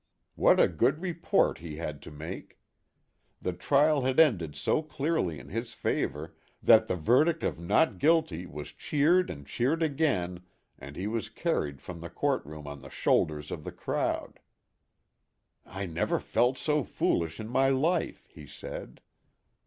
What a good report he had to make ! The trial had ended so clearly in his favor that the ver dict of " Not Guilty " was cheered and cheered again and he was carried from the court room on the shoulders of the crowd (" I never felt so foolish in my life," he said).